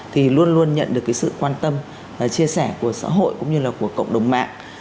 thì luôn luôn nhận được cái sự quan tâm chia sẻ của xã hội cũng như là của cộng đồng mạng